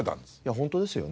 本当ですよね。